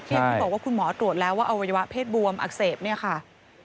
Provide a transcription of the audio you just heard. อย่างที่บอกว่าคุณหมอตรวจแล้วว่าอวัยวะเพศบวมอักเสบเนี่ยค่ะ